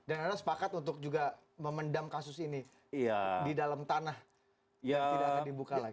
dan anda sepakat untuk juga memendam kasus ini di dalam tanah dan tidak akan dibuka lagi